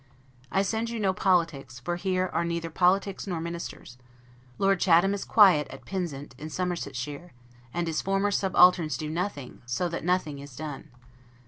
I send you no politics, for here are neither politics nor ministers; Lord Chatham is quiet at Pynsent, in Somersetshire, and his former subalterns do nothing, so that nothing is done.